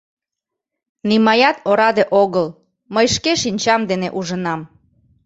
— Нимаят ораде огыл, мый шке шинчам дене ужынам...